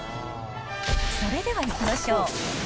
それではいきましょう。